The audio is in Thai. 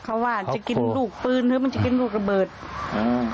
เขาว่าจะกินลูกปืนหรือมันจะกินลูกระเบิดอืม